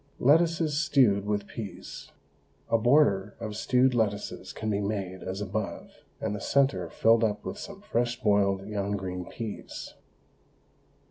LETTUCES STEWED WITH PEAS. A border of stewed lettuces can be made as above, and the centre filled up with some fresh boiled young green peas.